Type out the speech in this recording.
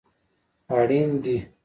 اړین دي